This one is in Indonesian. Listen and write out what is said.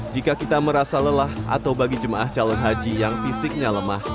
jika kita merasa lelah atau bagi jemaah calon haji yang fisiknya lemah